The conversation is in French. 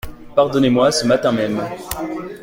Pardonnez-moi, ce matin même.